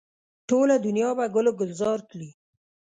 ټوله دنیا به ګل و ګلزاره کړي.